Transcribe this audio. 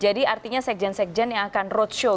jadi artinya sekjen sekjen yang akan roadshow ya